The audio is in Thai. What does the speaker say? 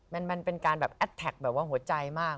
มันเป็นการแบบแอดแท็กแบบว่าหัวใจมาก